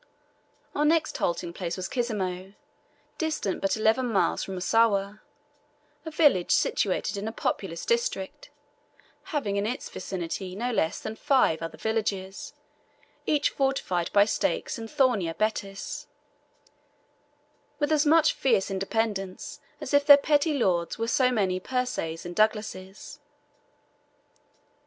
Our next halting place was Kisemo, distant but eleven miles from Msuwa, a village situated in a populous district, having in its vicinity no less than five other villages, each fortified by stakes and thorny abattis, with as much fierce independence as if their petty lords were so many Percys and Douglasses.